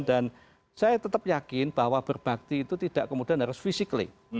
dan saya tetap yakin bahwa berbakti itu tidak kemudian harus fisik